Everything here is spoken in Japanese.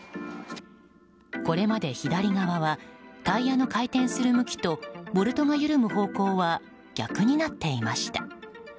これまで左側はタイヤの回転する向きとボルトが緩む方向は逆になっていました。